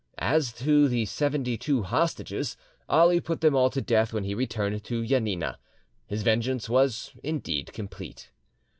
As to the seventy two hostages, Ali put them all to death when he returned to Janina. His vengeance was indeed complete.